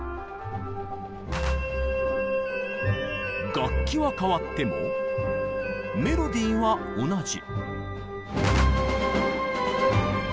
楽器は変わってもメロディーは同じ。